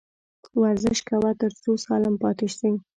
ورزش کوه ، تر څو سالم پاته سې